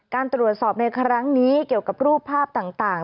การตรวจสอบในครั้งนี้เกี่ยวกับรูปภาพต่าง